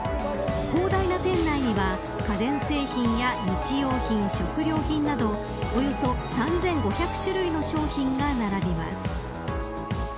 広大な店内には家電製品や日用品、食料品などおよそ３５００種類の商品が並びます。